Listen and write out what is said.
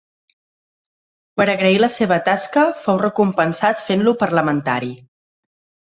Per a agrair la seva tasca, fou recompensat fent-lo Parlamentari.